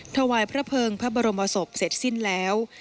ถวายพระเภิงพระบรมศพเสร็จสิ้นแล้ว